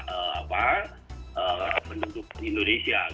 ada data penduduk indonesia